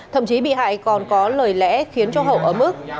thậm chí bị hại còn có lời lẽ khiến cho hậu ấm ức